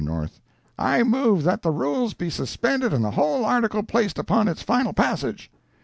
North—"I move that the rules be suspended and the whole article placed upon its final passage."